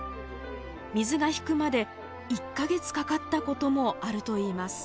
水が引くまで１か月かかったこともあるといいます。